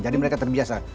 jadi mereka terbiasa